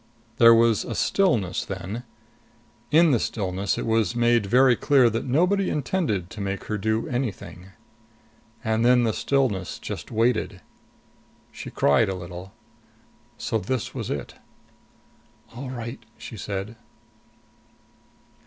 There was a stillness then, In the stillness, it was made very clear that nobody intended to make her do anything. And then the stillness just waited. She cried a little. So this was it. "All right," she said.